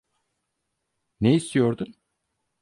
Ne istiyordun?